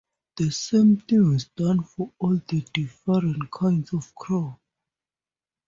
The same thing is done for all the different kinds of crop.